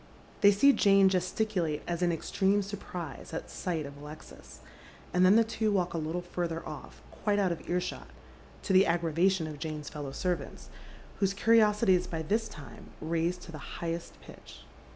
They see Jane gesticulate as in extreme surprise at sight of Alexis, and then the two walk a little further off, quite out of earshot, to the aggravation of Jane's fellow servants, whose curiosity is by this time raised to the highest pitch.